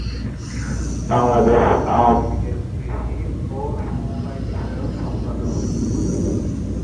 বাংলাদেশ আওয়ামী লীগের কৃষি ও সমবায় বিষয়ক সম্পাদক তিনি।